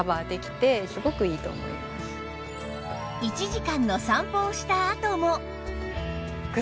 １時間の散歩をしたあとも